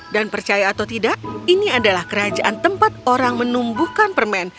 dan percaya atau tidak ini adalah kerajaan tempat orang menumbuhkan permen